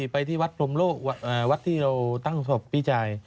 ไปที่วัดพรมโลกวัดที่เราตั้งศพพี่ชาย